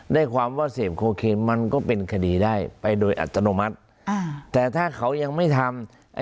ได้ความว่าเสพโคเคนมันก็เป็นคดีได้ไปโดยอัตโนมัติแต่ถ้าเขายังไม่ทำ